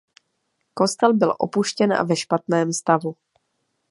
Kostel byl opuštěn a ve špatném stavu.